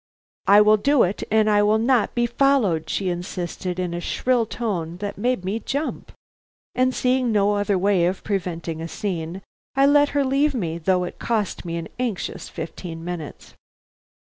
"I will do it, and I will not be followed," she insisted, in a shrill tone that made me jump. And seeing no other way of preventing a scene, I let her leave me, though it cost me an anxious fifteen minutes.